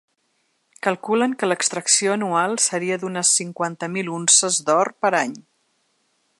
Calculen que l’extracció anual seria d’unes cinquanta mil unces d’or per any.